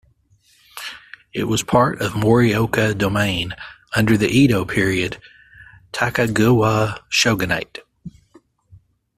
It was part of Morioka Domain under the Edo period Tokugawa shogunate.